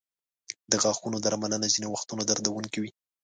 د غاښونو درملنه ځینې وختونه دردونکې وي.